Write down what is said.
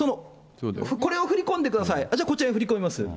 これを振り込んでください、じゃあこちらに振り込みます。